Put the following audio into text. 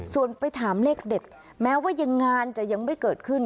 ส่วนไปถามเลขเด็ดแม้ว่ายังงานจะยังไม่เกิดขึ้น